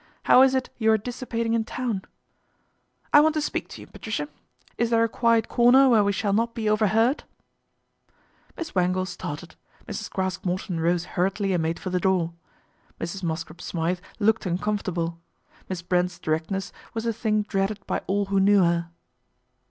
How is it you are dissipating in town ?"" I want to speak to you, Patricia. Is there a quiet corner where we shall not be overheard ?" Miss Wangle started, Mrs. Craske Morton rose hurriedly and made for the door. Mrs. Mosscrop Smythe looked uncomfortable. Miss Brent's direct ness was a thing dreaded by all who knew her.